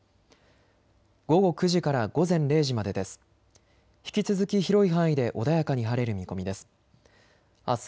午後９時から午前０時までです。